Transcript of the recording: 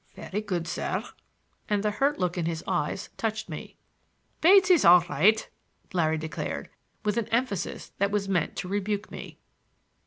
"Very good, sir,"—and the hurt look in his eyes touched me. "Bates is all right," Larry declared, with an emphasis that was meant to rebuke me.